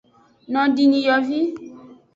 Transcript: Nodiyovi.